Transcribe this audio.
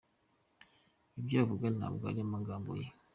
Ibyo avuga ntabwo ari amagambo ye.”